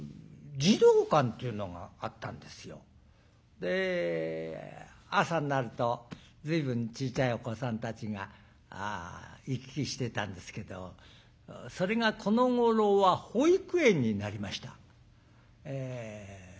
で朝になると随分ちいちゃいお子さんたちが行き来してたんですけどそれがこのごろは保育園になりました。